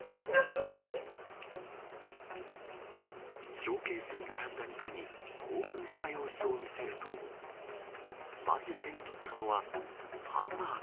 ショーケースに並んだ肉に、興奮した様子を見せると、まず手に取ったのはハンバーグ。